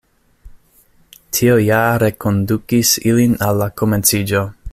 Tio ja rekondukis ilin al la komenciĝo.